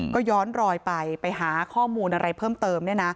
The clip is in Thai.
ก็ย้อนรอยไปไปหาข้อมูลอะไรเพิ่มเติม